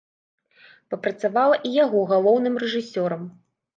Папрацавала і яго галоўным рэжысёрам.